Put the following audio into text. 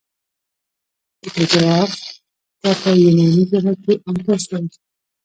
اتنوګراف ته په یوناني ژبه کښي انتوس وايي.